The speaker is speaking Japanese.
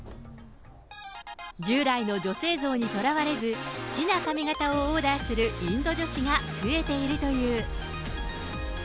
従来の女性像にとらわれず、好きな髪形をオーダーするインド女子が増えているという。